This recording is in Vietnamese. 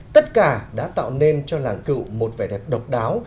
tất cả đã tạo nên cho làng cựu một vẻ đẹp độc đáo